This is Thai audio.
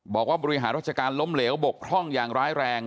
บริหารราชการล้มเหลวบกพร่องอย่างร้ายแรง